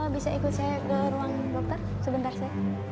bisa ikut saya ke ruang dokter sebentar saya